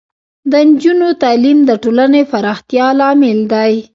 د نجونو تعلیم د ټولنې پراختیا لامل دی.